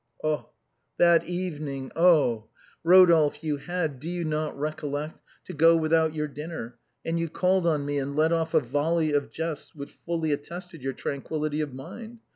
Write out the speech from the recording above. That evening, oh ! Eodolphe, you had, do you not recol lect, to go without your dinner, and you called on me and let off a volley of jests which fully attested your tranquillity of mind.